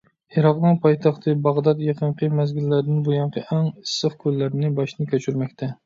ئىراقنىڭ پايتەختى باغدات يېقىنقى مەزگىللەردىن بۇيانقى ئەڭ ئىسسىق كۈنلەرنى باشتىن كەچۈرمەكتە.